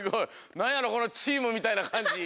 なんやろこのチームみたいなかんじ。